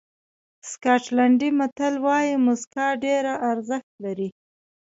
سکاټلېنډي متل وایي موسکا ډېره ارزښت لري.